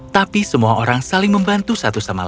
tapi semua orang saling membantu satu sama lain